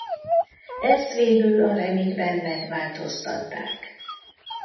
Ezt végül a remake-ben megváltoztatták.